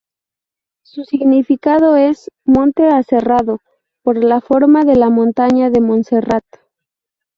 Su significado es "monte aserrado", por la forma de la montaña de Montserrat.